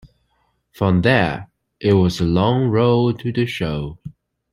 From there, it was a long road to The Show.